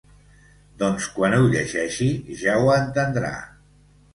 Doncs quan ho llegeixi ja ho entendrà.